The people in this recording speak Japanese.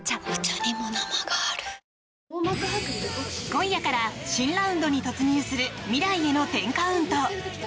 今夜から新ラウンドに突入する「未来への１０カウント」。